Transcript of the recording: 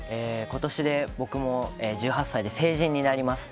ことしで僕も１８歳で成人になります。